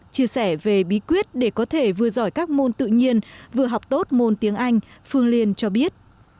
chia sẻ về bí quyết để có thể vừa giỏi các môn tự nhiên vừa học tốt môn tiếng anh phương liên cho biết